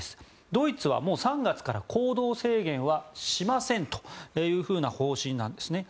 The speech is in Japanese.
ドイツは３月から行動制限はしませんというふうな方針なんですね。